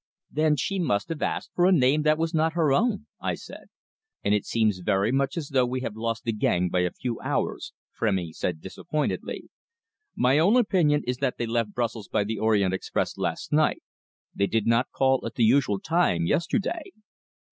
"Then she must have asked for a name that was not her own," I said. "And it seems very much as though we have lost the gang by a few hours," Frémy said disappointedly. "My own opinion is that they left Brussels by the Orient Express last night. They did not call at the usual time yesterday."